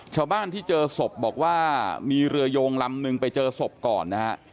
ชาวบ้านที่เจอศพบอกว่ามีเรือโยงลำนึงไปเจอศพก่อนนะฮะ